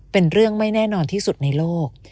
เป็นเรื่องไม่แน่นอนที่สุดในโลก